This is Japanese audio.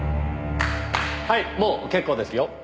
はいもう結構ですよ。